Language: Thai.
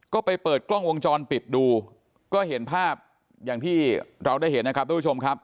ก็ไปเปิดกล้องวงจรปิดดูก็เห็นภาพอย่างที่เราได้เห็นนะครับทุกผู้ชมครับ